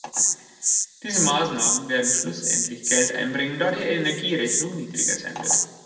Diese Maßnahmen werden schlussendlich Geld einbringen, da die Energierechnung niedriger sein wird.